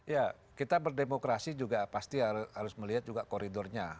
ya kita berdemokrasi juga pasti harus melihat juga koridornya